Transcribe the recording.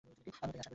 আমিও তাই আশা করি!